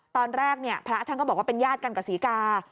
ตอนแรกเนี่ยพระท่านก็บอกว่าเป็นญาติกันกับศรีกา